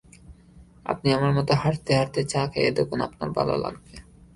আপনি আমার মতো হাঁটতে হাঁটতে চা খেয়ে দেখুন আপনার ভাল লাগবে।